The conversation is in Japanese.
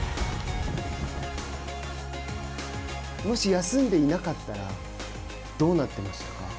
もし休んでいなかったらどうなってましたか。